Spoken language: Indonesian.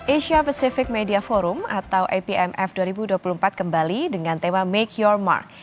asia pacific media forum atau apmf dua ribu dua puluh empat kembali dengan tema make your mark